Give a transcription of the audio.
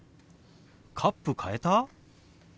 カップ変えた？